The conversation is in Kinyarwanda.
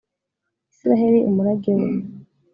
israheli, umurage we